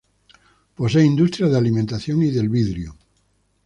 Posee industrias de alimentación y del vidrio.